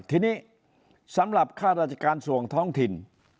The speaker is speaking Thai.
ทีนี้สำหรับค่าราชการส่วนท้องถิ่น